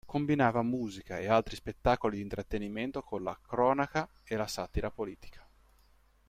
Combinava musica e altri spettacoli di intrattenimento con la cronaca e la satira politica.